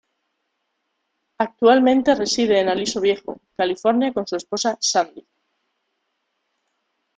Actualmente reside en Aliso Viejo, California con su esposa Sandy.